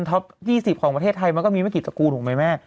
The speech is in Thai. ทเทค๒๐ของประเทศไทยมันก็มีไหมติดตระกูลของใหม่